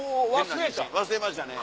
忘れましたね。